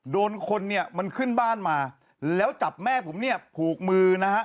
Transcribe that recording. โดนคนเนี่ยมันขึ้นบ้านมาแล้วจับแม่ผมเนี่ยผูกมือนะฮะ